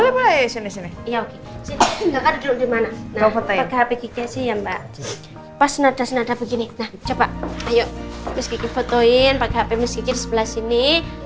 pakai hp gkc ya mbak pas nada nada begini coba ayo miskin fotoin pakai hp miskin sebelah sini